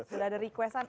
sudah ada request an